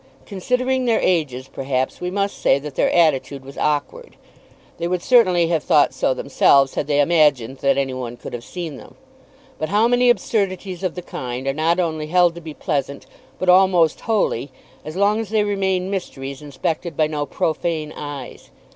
Considering their ages perhaps we must say that their attitude was awkward. They would certainly have thought so themselves had they imagined that any one could have seen them. But how many absurdities of the kind are not only held to be pleasant, but almost holy, as long as they remain mysteries inspected by no profane eyes!